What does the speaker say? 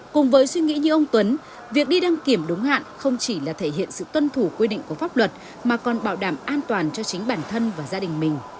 cùng với suy nghĩ như ông tuấn việc đi đăng kiểm đúng hạn không chỉ là thể hiện sự tuân thủ quy định của pháp luật mà còn bảo đảm an toàn cho chính bản thân và gia đình mình